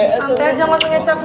santai aja gak sengecap